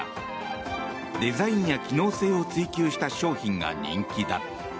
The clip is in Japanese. デザインや機能性を追求した商品が人気だ。